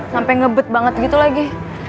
sampai ngebet banget gitu lagi